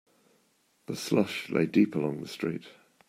The slush lay deep along the street.